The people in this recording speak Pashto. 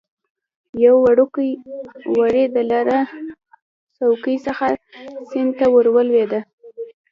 یو وړکی وری د لره له څوکې څخه سیند ته ور ولوېده.